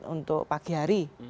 untuk pagi hari